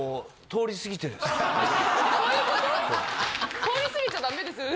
通り過ぎちゃダメですよ。